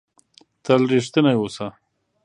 تل رښتنی اوسهٔ.